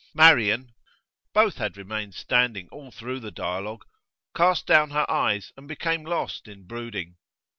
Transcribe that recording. Marian both had remained standing all through the dialogue cast down her eyes and became lost in brooding.